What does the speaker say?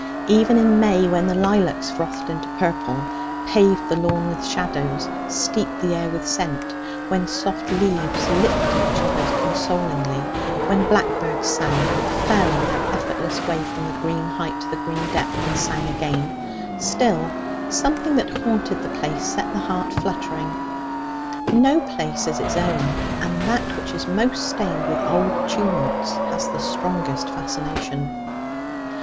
Even in May, when the lilacs frothed into purple, paved the lawn with shadows, steeped the air with scent; when soft leaves lipped each other consolingly; when blackbirds sang, fell in their effortless way from the green height to the green depth, and sang again still, something that haunted the place set the heart fluttering. No place is its own, and that which is most stained with old tumults has the strongest fascination.